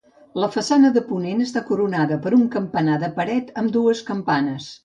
La façana de ponent està coronada per un campanar de paret, amb dues campanes.